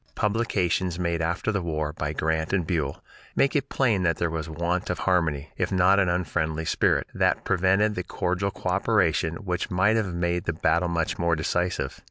Publications made after the war by Grant and Buell make it plain that there was want of harmony, if not an unfriendly spirit, that prevented the cordial coöperation which might have made the battle much more decisive.